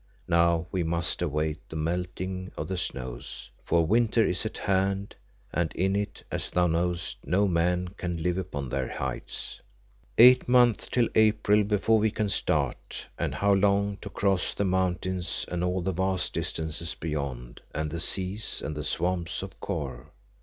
Now we must await the melting of the snows, for winter is at hand, and in it, as thou knowest, no man can live upon their heights." "Eight months till April before we can start, and how long to cross the mountains and all the vast distances beyond, and the seas, and the swamps of Kôr?